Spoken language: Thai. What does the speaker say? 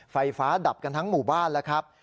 ไฟฟ้าดับกันทั้งหมู่บ้านแล้วครับ